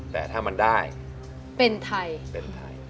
แต่ถ้ามันได้เป็นไทย